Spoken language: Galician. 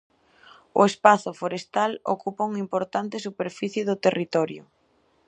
O espazo forestal ocupa unha importante superficie do territorio.